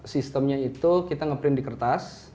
sistemnya itu kita nge print di kertas